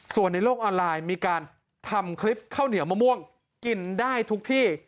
ส่วนในโลกออนไลน์มีการทำคลิปข้าวเหนียวมะม่วงกินได้ทุกที่